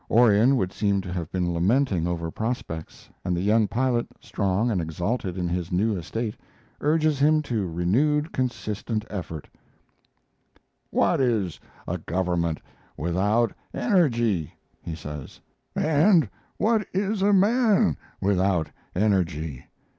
Orion would seem to have been lamenting over prospects, and the young pilot, strong and exalted in his new estate, urges him to renewed consistent effort: What is a government without energy? [he says] . And what is a man without energy?